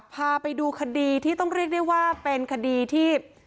พาไปดูคดีที่ต้องเรียกได้ว่าเป็นคดีที่